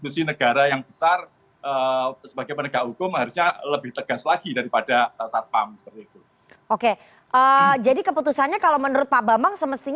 seharusnya ke polisi